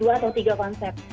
dua atau tiga konsep